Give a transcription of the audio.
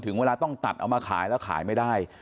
เวลาต้องตัดเอามาขายแล้วขายไม่ได้